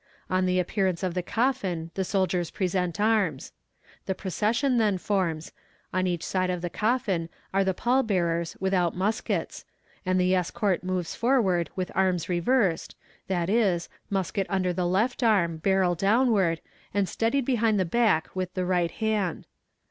On the appearance of the coffin the soldiers present arms. The procession then forms on each side of the coffin are the pall bearers without muskets and the escort moves forward with arms reversed, viz.: musket under the left arm, barrel downward, and steadied behind the back with the right hand.